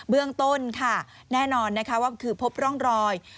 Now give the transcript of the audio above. เรื่องต้นค่ะแน่นอนนะคะว่าคือพบร่องรอย